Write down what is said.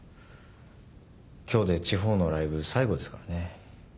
今日で地方のライブ最後ですからね。